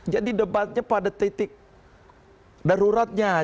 jadi debatnya pada titik daruratnya